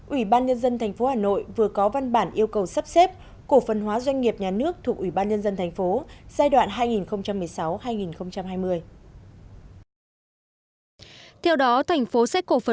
ủy ban nhân dân tp hà nội vừa có văn bản yêu cầu sắp xếp cổ phần hóa doanh nghiệp nhà nước thuộc ủy ban nhân dân tp giai đoạn hai nghìn một mươi sáu hai nghìn hai mươi